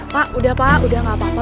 pak udah pak udah gak apa apa